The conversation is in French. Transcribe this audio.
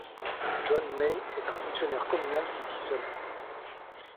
John May est un fonctionnaire communal qui vit seul.